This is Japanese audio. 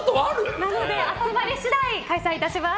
なので、集まり次第開催します。